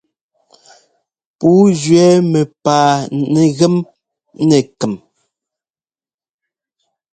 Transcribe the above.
Pǔu jʉɛ́ mɛpaa nɛgem nɛ kɛm.